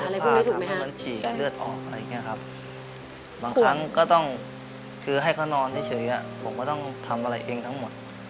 ใช่ครับมันเกี่ยวเสื้อผ้าทำให้มันฉี่เลือดออกอะไรอย่างเงี้ยครับบางครั้งก็ต้องคือให้เขานอนเฉยอ่ะผมก็ต้องทำอะไรเองทั้งหมด